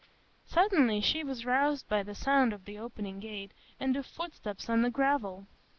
Suddenly she was roused by the sound of the opening gate and of footsteps on the gravel.